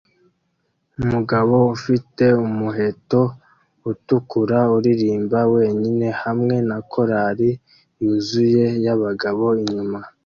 Umugabo ufite umuheto utukura uririmba wenyine hamwe na korari yuzuye yabagabo inyuma